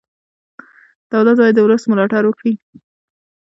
دولت باید د ولس ملاتړ وکړي.